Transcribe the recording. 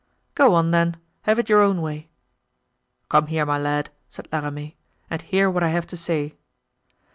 "Go on, then; have it your own way." "Come here, my lad," said La Ramee, "and hear what I have to say."